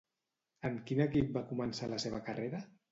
En quin equip va començar la seva carrera?